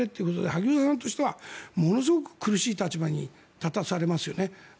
萩生田さんとしてはものすごく苦しい立場に立たされますよね。